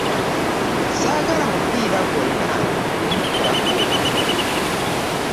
Ssaagala mupiira gwonna kumpitako.